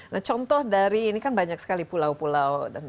nah contoh dari ini kan banyak sekali pulau pulau